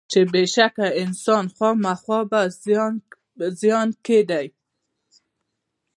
چې بېشکه انسان خامخا په زیان کې دی.